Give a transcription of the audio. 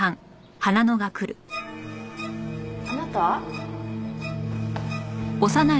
あなた？